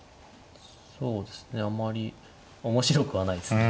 そうですねあまり面白くはないですね。